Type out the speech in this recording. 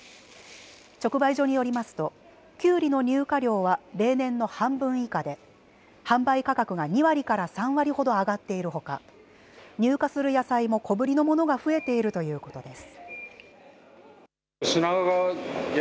直売所によりますときゅうりの入荷量は例年の半分以下で販売価格が２割から３割ほど上がっているほか入荷する野菜も小ぶりのものが増えているということです。